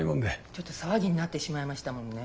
ちょっと騒ぎになってしまいましたもんね。